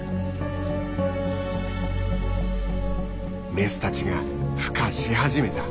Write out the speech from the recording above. メスたちがふ化し始めた。